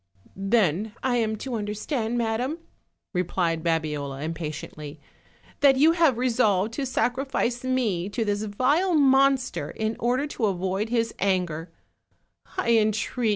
"Then I am to understand, madam," replied Babiola impatiently, "that you have resolved to sacrifice me to this vile monster in order to avoid his auger, I entreat OLD, OLD FAIRY TALES.